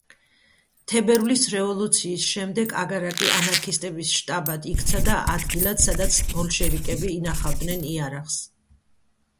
თებერვლის რევოლუციის შემდეგ აგარაკი ანარქისტების შტაბად იქცა და ადგილად სადაც ბოლშევიკები ინახავდნენ იარაღს.